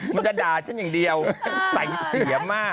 มันจะด่าฉันอย่างเดียวใส่เสียมาก